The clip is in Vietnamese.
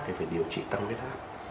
thì phải điều trị tăng viết áp